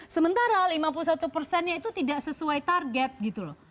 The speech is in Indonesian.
sementara lima puluh satu persennya itu tidak sesuai target gitu loh